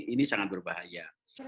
ini sangat berbahaya